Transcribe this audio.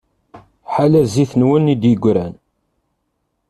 Ḥala zzit-nwen i d-yegran.